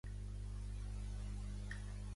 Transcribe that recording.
El nom és Siraj: essa, i, erra, a, jota.